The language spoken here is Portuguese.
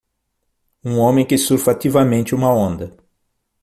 Um homem que surfa ativamente uma onda.